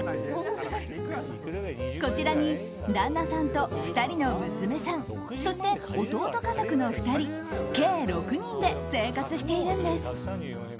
こちらに旦那さんと２人の娘さんそして弟家族の２人、計６人で生活しているんです。